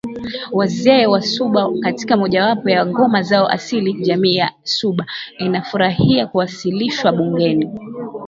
Wazee Wasuba katika mojawapo ya ngoma zao asilia Jamii ya Suba inafurahia kuwasilishwa bungeni